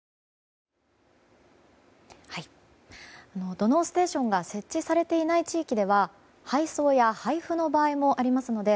土のうステーションが設置されていない地域では配送や配布の場合もありますので